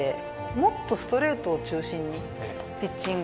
もっとストレートを中心にピッチング。